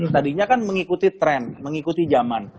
tadinya kan mengikuti tren mengikuti zaman